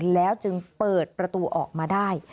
แล้วจึงเปิดประตูออกมาได้